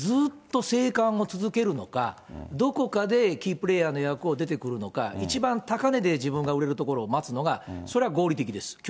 中国はずっと静観を続けるのか、どこかでキープレーヤーの役を出てくるのか、一番高値で自分が売れるところを待つのがそれが合理的です。